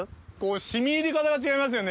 染み入り方が違いますよね